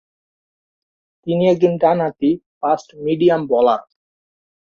তিনি একজন ডান-হাতি ফাস্ট মিডিয়াম বোলার।